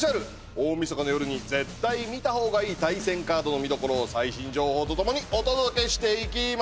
大晦日の夜に絶対見た方がいい対戦カードの見どころを最新情報と共にお届けしていきます！